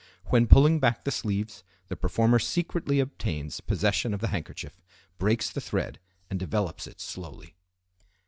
When pulling back the sleeves the performer secretly obtains possession of the handkerchief, breaks the thread, and develops it slowly.